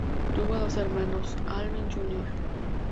Tuvo dos hermanos, Alvin Jr.